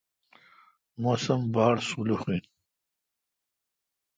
موسم باڑ سولوخ این۔